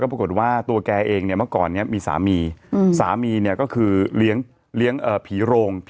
แล้วตัวแกเองประกอบเนี้ยที่มีสามีสามีก็คือผีโรง